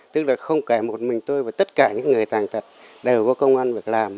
tức là không kể một mình tôi và tất cả những người tàn tật đều có công an việc làm